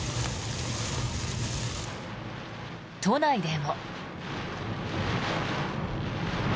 都内でも。